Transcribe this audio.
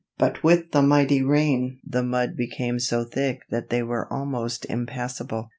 But with the mighty rain the mud became so thick that they were almost impassable.